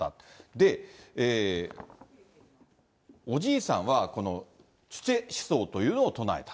で、おじいさんはこのチュチェ思想というのを唱えた。